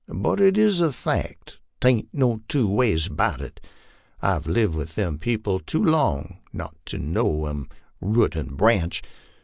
But it's a fact, LIFE ON THE PLAINS. 173 'taint no two ways 'bout it. I've lived with them people too long not to know 'em root and branch.